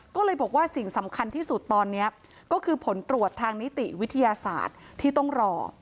ก็เลยบอกว่าสิ่งสำคัญที่สุดตอนนี้ก็คือผลตรวจทางนิติวิทยาศาสตร์ที่ต้องรอ